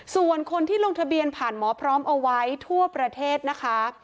ส่วนคนที่ลงทะเบียนผ่านหมอพร้อมเอาไว้ทั่วประเทศนะคะ